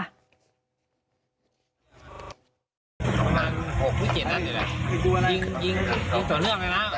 ทีนี้จากการสืบส่งของตำรวจพวกต้นเนี่ยค่ะ